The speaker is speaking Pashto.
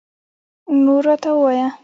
نور راته ووایه